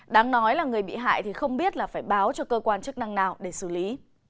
đáng nói là người bị hại thì không biết là phải báo cho cơ quan chức năng nào để xử lý